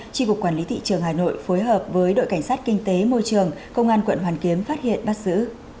tri cục quản lý thị trường hà nội phối hợp với đội cảnh sát kinh tế môi trường công an quận hoàn kiếm phát hiện bắt giữ